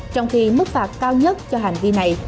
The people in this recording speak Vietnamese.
trong khi mức phạt cao nhất cho hành vi này